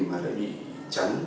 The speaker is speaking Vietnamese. mà lại bị chắn